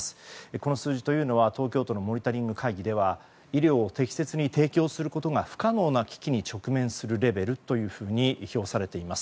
この数字というのは東京都のモニタリング会議では医療を適切に提供することが不可能な危機に直面するレベルと評されています。